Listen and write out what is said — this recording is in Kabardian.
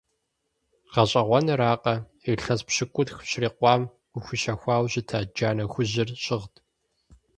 ГъэщӀэгъуэныракъэ, илъэс пщыкӀутху щрикъуам къыхуищэхуауэ щыта джанэ хужьыр щыгът.